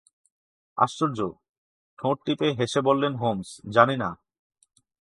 আশ্চর্য, ঠোঁট টিপে হেসে বললে হোমস, জানি না।